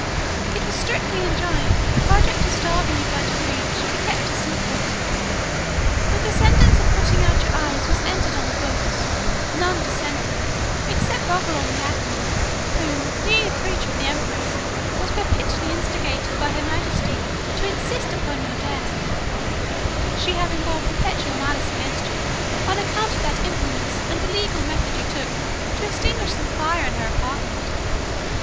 It was strictly enjoined, that the project of starving you by degrees should be kept a secret; but the sentence of putting out your eyes was entered on the books; none dissenting, except Bolgolam the admiral, who, being a creature of the empress, was perpetually instigated by her majesty to insist upon your death, she having borne perpetual malice against you, on account of that infamous and illegal method you took to extinguish the fire in her apartment.